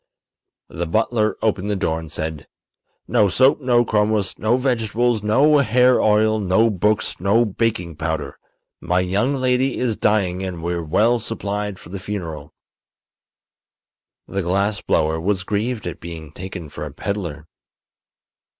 The butler opened the door and said: "No soap, no chromos, no vegetables, no hair oil, no books, no baking powder. My young lady is dying and we're well supplied for the funeral." The glass blower was grieved at being taken for a peddler.